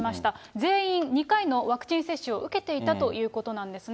全員２回のワクチン接種を受けていたということなんですね。